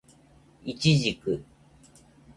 イチジク